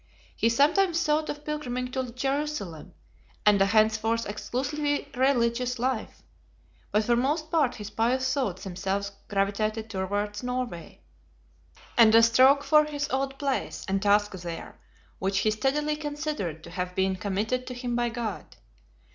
He sometimes thought of pilgriming to Jerusalem, and a henceforth exclusively religious life; but for most part his pious thoughts themselves gravitated towards Norway, and a stroke for his old place and task there, which he steadily considered to have been committed to him by God.